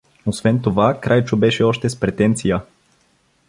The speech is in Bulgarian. Освен това Крайчо беше още с претенция.